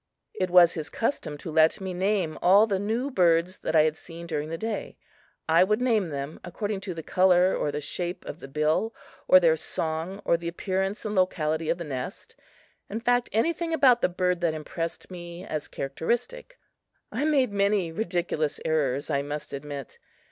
It was his custom to let me name all the new birds that I had seen during the day. I would name them according to the color or the shape of the bill or their song or the appearance and locality of the nest in fact, anything about the bird that impressed me as characteristic. I made many ridiculous errors, I must admit.